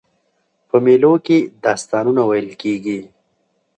په مېلو کښي داستانونه ویل کېږي.